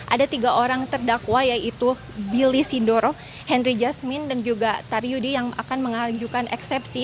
ada tiga orang terdakwa yaitu billy sidoro henry jasmine dan juga tari yudi yang akan mengajukan eksepsi